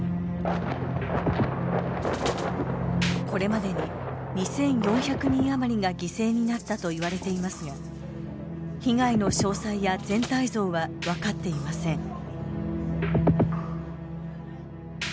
これまでに２，４００人余りが犠牲になったといわれていますが被害の詳細や全体像は分かっていません。